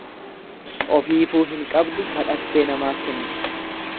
Ofiifuu hin qabdu kadhattee namaaf kenniti.